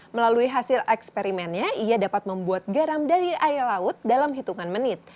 melalui hasil eksperimennya ia dapat membuat garam dari air laut dalam hitungan menit